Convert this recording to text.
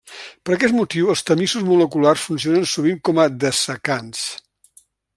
Per aquest motiu els tamisos moleculars funcionen sovint com a dessecants.